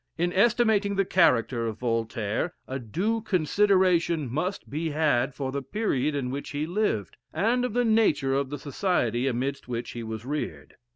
In estimating the character of Voltaire, a due consideration must be had for the period in which he lived, and of the nature of the society amidst which he was reared.